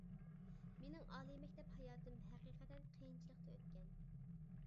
مېنىڭ ئالىي مەكتەپ ھاياتىم ھەقىقەتەن قىيىنچىلىقتا ئۆتكەن.